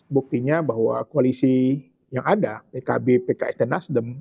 buktinya bahwa koalisi yang ada pkb pks dan nasdem